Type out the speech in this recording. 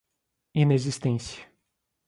inexistência